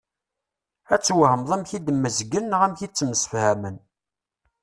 Ad twehmeḍ amek i d-mmezgen neɣ amek i ttemsefhamen.